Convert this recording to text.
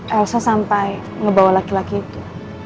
elsa sampai ngebawa laki laki itu